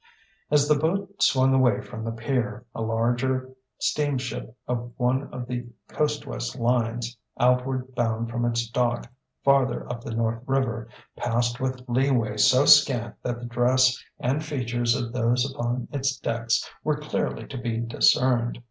As the boat swung away from the pier, a larger steamship of one of the coastwise lines, outward bound from its dock farther up the North River, passed with leeway so scant that the dress and features of those upon its decks were clearly to be discerned.